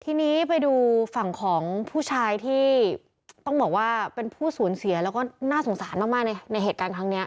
ทีนี้ไปดูฝั่งของผู้ชายที่ต้องบอกว่าเป็นผู้สูญเสียแล้วก็น่าสงสารมากในเหตุการณ์ครั้งนี้